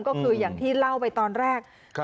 ก็คืออย่างที่เล่าไปตอนแรก